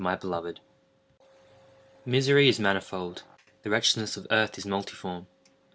—Ebn Zaiat. Misery is manifold. The wretchedness of earth is multiform.